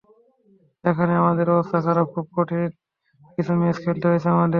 এখানেই আমাদের অবস্থা খারাপ, খুব কঠিন কিছু ম্যাচ খেলতে হয়েছে আমাদের।